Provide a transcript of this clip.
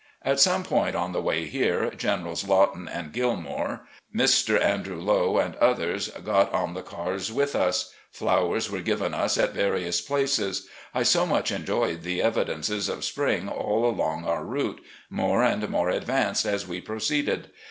At some point on the way here Generals Lawton and Gilmer, Mr. Andrew Lowe, and others, got on the cars with us. Flowers were given us at various places. I so much enjoyed the evidences of spring all along our route — ^more and more advanced as we proceeded.